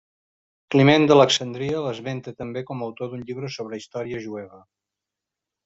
Climent d'Alexandria l'esmenta també com a autor d'un llibre sobre història jueva.